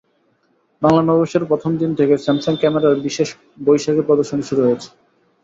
বাংলা নববর্ষের প্রথম দিন থেকে স্যামসাং ক্যামেরার বিশেষ বৈশাখী প্রদর্শনী শুরু হয়েছে।